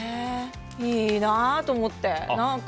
いいなあと思って。